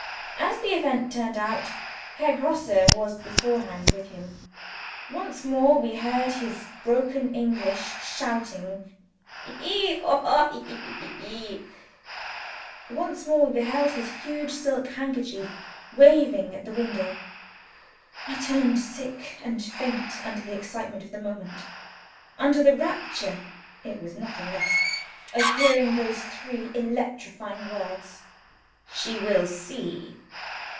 As the event turned out, Herr Grosse was beforehand with him. Once more we heard his broken English shouting, "Hi hi hoi! hoi hi! hoi hi!" Once more, we beheld his huge silk handkerchief waving at the window. I turned sick and faint under the excitement of the moment under the rapture (it was nothing less) of hearing those three electrifying words: "She will see!"